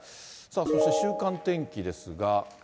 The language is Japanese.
さあそして、週間天気ですが。